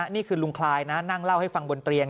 นี่คือลุงคลายนะนั่งเล่าให้ฟังบนเตียง